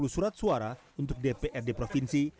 lima satu ratus sepuluh surat suara untuk dprd provinsi